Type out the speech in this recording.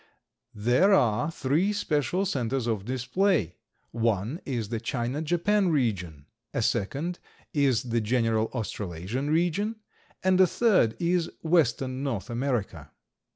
There are three special centers of display; one is the China Japan region, a second is the general Australasian region, and the third is western North America.